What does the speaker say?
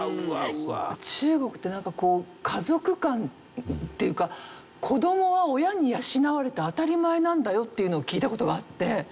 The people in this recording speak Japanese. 中国ってなんかこう家族間っていうか子どもは親に養われて当たり前なんだよっていうのを聞いた事があって。